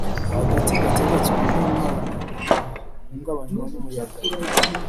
agati kateretswe n’imana ntigahungabanwa n’umuyaga.